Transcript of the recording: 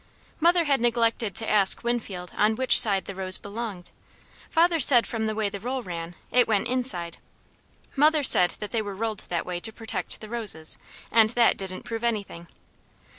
Mother had neglected to ask Winfield on which side the rose belonged. Father said from the way the roll ran, it went inside. Mother said they were rolled that way to protect the roses, and that didn't prove anything.